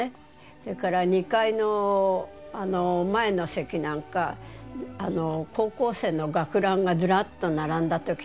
だから２階の前の席なんか高校生の学ランがずらっと並んだ時があります。